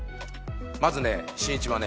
まずねしんいちはね